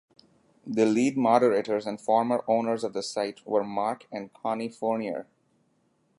The lead moderators and former owners of the site were Mark and Connie Fournier.